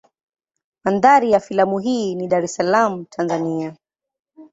Mandhari ya filamu hii ni Dar es Salaam Tanzania.